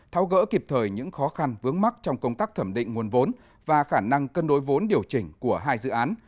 tháo gỡ kịp thời những khó khăn vướng mắt trong công tác thẩm định nguồn vốn và khả năng cân đối vốn điều chỉnh của hai dự án